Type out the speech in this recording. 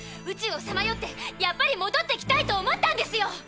宇宙をさまよってやっぱりもどってきたいと思ったんですよ。